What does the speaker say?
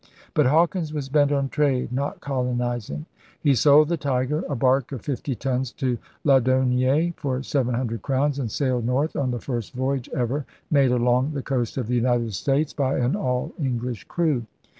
' But Hawkins was bent on trade, not colonizing. He sold the Tiger, a barque of fifty tons, to Lau donniere for seven hundred crowns and sailed north on the first voyage ever made along the coast of the United States by an all English crew.